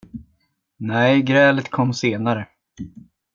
Nej, grälet kom senare.